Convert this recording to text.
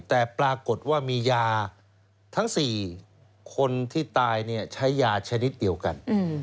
แต่ปรากฏว่ามียาทั้ง๔คนที่ตายใช้ยาชนิดเดียวกัน